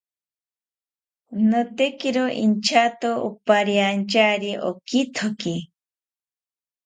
Notekiro inchato opariantyari okithoki